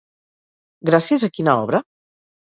Gràcies a quina obra?